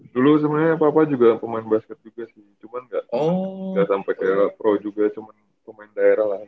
dulu sebenarnya papa juga pemain basket juga sih cuman nggak sampai kayak pro juga cuma pemain daerah lah